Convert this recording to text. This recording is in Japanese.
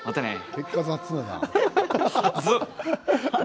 結果、雑やな。